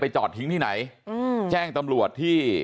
จอดทิ้งที่ไหนอืมแจ้งตำรวจที่